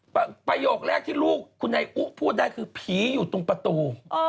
ประโยคแรกที่ลูกคุณนายอุพูดได้คือผีอยู่ตรงประตู